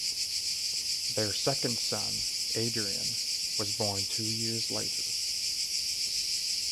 Their second son, Adrian, was born two years later.